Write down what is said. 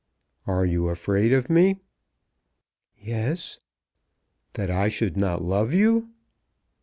"Are you afraid of me?" "Yes." "That I should not love you?"